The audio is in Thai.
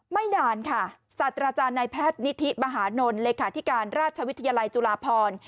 ไม่นานค่ะสัตว์อาจารย์ในแพทย์นิธิมหานลเลขาธิการราชวิทยาลัยจุฬาพร